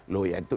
loh ya itu